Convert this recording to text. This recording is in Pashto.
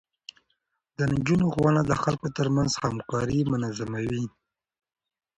د نجونو ښوونه د خلکو ترمنځ همکاري منظموي.